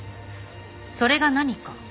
それが何か？